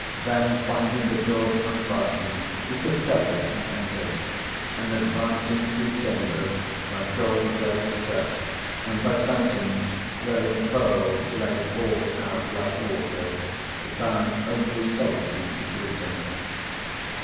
Then, finding the doors unfastened, he took courage and entered; and advancing through chambers where gold lay as dust, and by fountains wherein pearls lay poured out like water, he found only solitude to greet him.